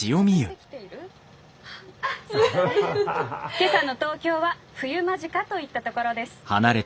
今朝の東京は冬間近といったところです」。